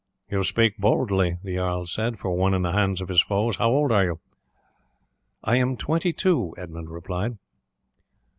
"You speak boldly," the jarl said, "for one in the hands of his foes. How old are you?" "I am twenty two," Edmund replied.